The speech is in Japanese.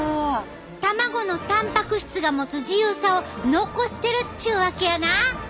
卵のたんぱく質が持つ自由さを残してるっちゅうわけやな！